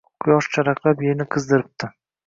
Quyosh charaqlab, yerni qizdiribdi